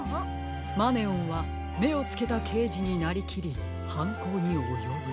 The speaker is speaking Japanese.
「マネオンはめをつけたけいじになりきりはんこうにおよぶ」。